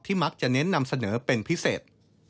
มักจะเน้นนำเสนอเป็นพิเศษ